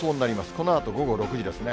このあと午後６時ですね。